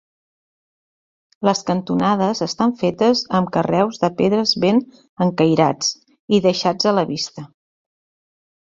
Les cantonades estan fetes amb carreus de pedra ben escairats i deixats a la vista.